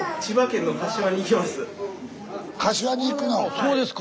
そうですか。